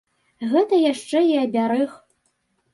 Гэта яшчэ і абярэг.